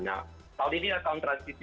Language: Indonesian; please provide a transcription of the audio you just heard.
nah tahun ini adalah tahun transisi fani